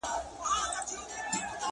o د خالي توپکه دوه کسه بېرېږي٫